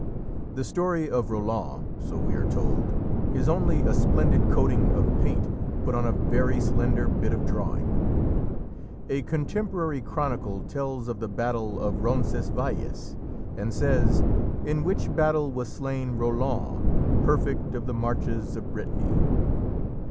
The story of Roland, so we are told, is only a splendid coating of paint put on a very slender bit of drawing. A contemporary chronicle tells of the battle of Roncesvalles, and says: "In which battle was slain Roland, prefect of the marches of Brittany."